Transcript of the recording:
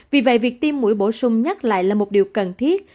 vì vậy việc tiêm mũi bổ sung nhắc lại là một điều cần thiết